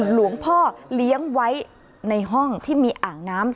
หลวงพ่อเลี้ยงไว้ในห้องที่มีอ่างน้ำ